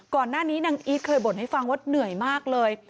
ก่อนหน้านี้นางอีทเคยบ่นให้ฟังว่าเหนื่อยมากเลย